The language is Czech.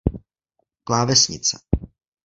Klávesnice